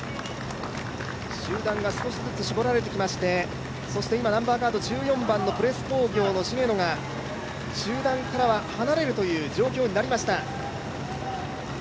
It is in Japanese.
集団が少しずつ絞られてきまして、今、１４番のプレス工業の滋野が集団からは離れるという状況になりました。